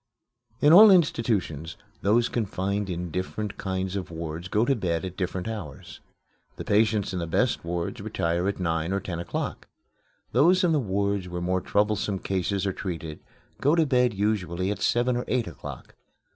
In all institutions those confined in different kinds of wards go to bed at different hours. The patients in the best wards retire at nine or ten o'clock. Those in the wards where more troublesome cases are treated go to bed usually at seven or eight o'clock.